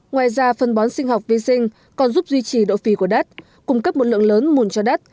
ngoài ra phân bón sinh học vi sinh còn giúp duy trì độ phì của đất cung cấp một lượng lớn mùn cho đất